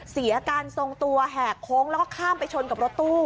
เสียการทรงตัวแหกโค้งแล้วก็ข้ามไปชนกับรถตู้